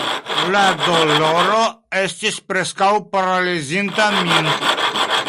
La doloro estis preskaŭ paralizinta min.